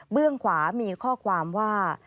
เบื้องขวามีข้อความว่า